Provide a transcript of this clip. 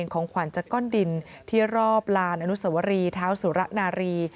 ของขวัญจากก้อนดินที่รอบลานอนุสวรีเท้าสุระนารี